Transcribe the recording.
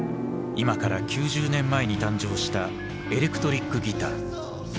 今から９０年前に誕生したエレクトリックギター。